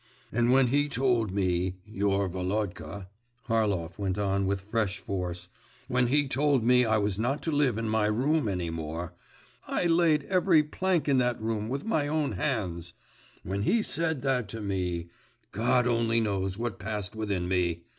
'And when he told me, your Volodka,' Harlov went on with fresh force, 'when he told me I was not to live in my room any more, I laid every plank in that room with my own hands, when he said that to me, God only knows what passed within me!